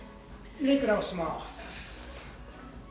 メイク直します。